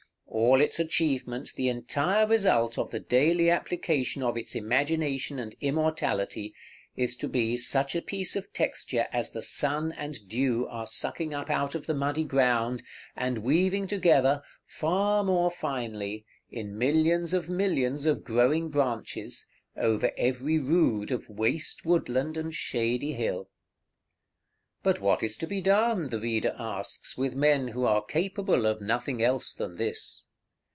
All its achievement, the entire result of the daily application of its imagination and immortality, is to be such a piece of texture as the sun and dew are sucking up out of the muddy ground, and weaving together, far more finely, in millions of millions of growing branches, over every rood of waste woodland and shady hill. § XLVII. But what is to be done, the reader asks, with men who are capable of nothing else than this?